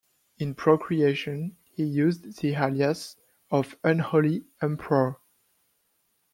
In Procreation, he used the alias of Unholy Emperor.